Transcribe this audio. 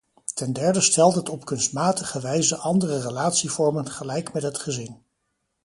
Ten derde stelt het op kunstmatige wijze andere relatievormen gelijk met het gezin.